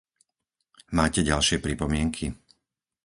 Máte ďalšie pripomienky?